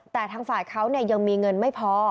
แต่ทางฝ่ายเขายังมีเงินไม่พอ